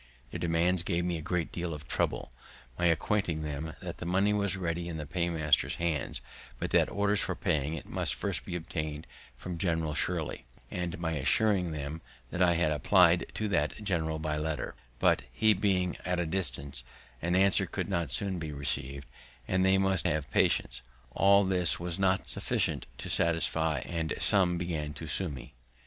Their demands gave me a great deal of trouble, my acquainting them that the money was ready in the paymaster's hands, but that orders for paying it must first be obtained from General Shirley, and my assuring them that I had apply'd to that general by letter; but, he being at a distance, an answer could not soon be receiv'd, and they must have patience, all this was not sufficient to satisfy, and some began to sue me.